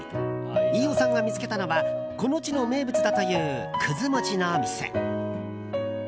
飯尾さんが見つけたのはこの地の名物だというくずもちの店。